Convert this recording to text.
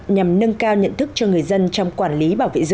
nhằm nâng cao nhận thức cho người dân trong quản lý